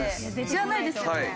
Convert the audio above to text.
知らないですよね。